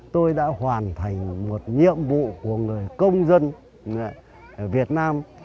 tôi đã hoàn thành một nhiệm vụ của người công dân việt nam